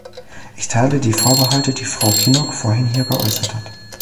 Ich teile die Vorbehalte, die Frau Kinnock vorhin hier geäußert hat.